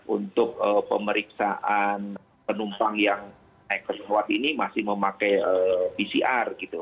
untuk pemeriksaan penumpang yang naik pesawat ini masih memakai pcr gitu